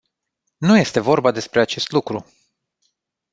Nu este vorba despre acest lucru!